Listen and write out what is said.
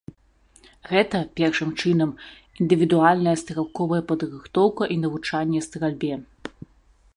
Гэта, першым чынам, індывідуальная стралковая падрыхтоўка і навучанне стральбе.